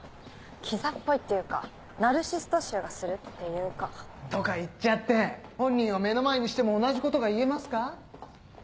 キザっぽいっていうかナルシシスト臭がするっていうか。とか言っちゃって本人を目の前にしても同じことが言えますか？